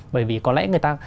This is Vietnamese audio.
bởi vì có lẽ người ta